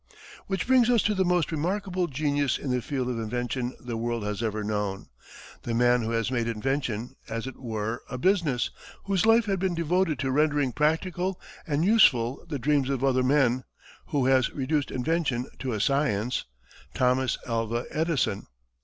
Which brings us to the most remarkable genius in the field of invention the world has ever known the man who has made invention, as it were, a business, whose life has been devoted to rendering practical and useful the dreams of other men, who has reduced invention to a science Thomas Alva Edison.